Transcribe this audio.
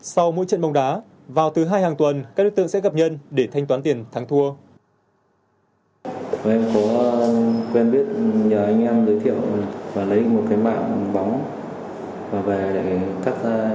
sau mỗi trận bóng đá vào thứ hai hàng tuần các đối tượng sẽ gặp nhân để thanh toán tiền thắng thua